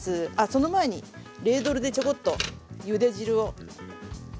その前にレードルでちょこっとゆで汁を。